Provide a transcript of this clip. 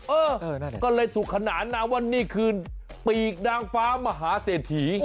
เออนั่นแหละก็เลยถูกขนานนะว่านี่คือปีกนางฟ้ามหาเศรษฐี